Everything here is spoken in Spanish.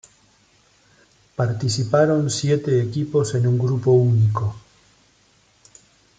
Participaron siete equipos en un grupo único.